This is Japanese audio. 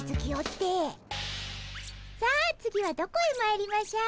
さあ次はどこへまいりましょう？